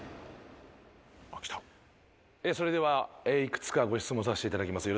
それではいくつかご質問させていただきます。